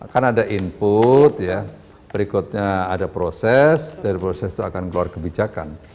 kan ada input ya berikutnya ada proses dari proses itu akan keluar kebijakan